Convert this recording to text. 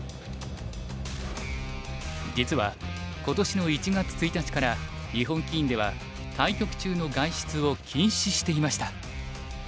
実は今年の１月１日から日本棋院では対局中の外出を禁止していました。